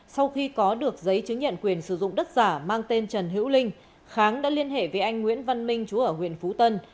sau khi có được giấy chứng nhận quyền sử dụng đất giả mang tên trần hữu linh kháng đã liên hệ với anh nguyễn văn minh chú ở huyện phú tân